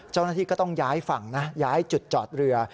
เจ้าหน้าที่ก็ต้องย้ายฝั่งนะย้ายจุดจอดเรือ